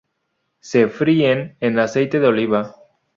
Se fríen en aceite de oliva.